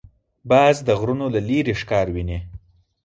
باز د غرونو له لیرې ښکار ویني